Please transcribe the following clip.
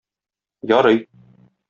Ярый.